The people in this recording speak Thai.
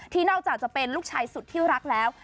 นอกจากจะเป็นลูกชายสุดที่รักแล้ว